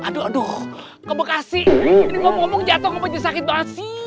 aduh aduh pak ustadz ini ngomong ngomong jatuh ke penjahit sakit basi